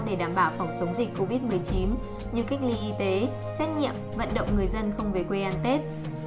để đảm bảo phòng chống dịch covid một mươi chín như cách ly y tế xét nghiệm vận động người dân không về quê ăn tết